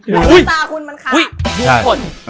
ลังสตาคุณมันขาด